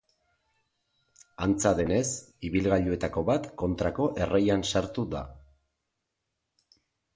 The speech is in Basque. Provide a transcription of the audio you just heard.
Antza denez, ibilgailuetako bat kontrako erreian sartu da.